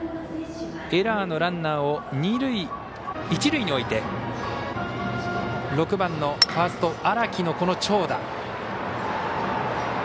エラーのランナーを一塁に置いて６番のファースト、荒木の長打。